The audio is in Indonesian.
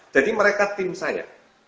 jadi mereka tim saya